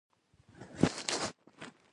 پښتو متلونه د ژوند فلسفه ده.